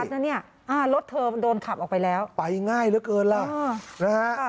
นะเนี่ยรถเธอโดนขับออกไปแล้วไปง่ายเหลือเกินล่ะนะฮะ